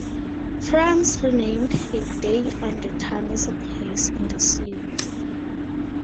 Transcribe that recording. France renamed "A Day On The Town" as "A Place in The City".